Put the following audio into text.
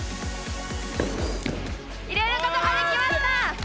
入れることができました！